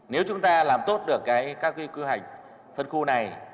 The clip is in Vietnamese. nếu chúng ta làm tốt được các quy hoạch phân khu này